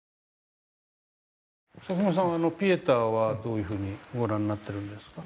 佐喜眞さんはあの「ピエタ」はどういうふうにご覧になってるんですか？